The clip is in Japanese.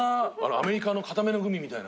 アメリカの硬めのグミみたいな。